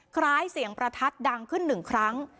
คล้ายเสียงประทัดดังขึ้นหนึ่งครั้ง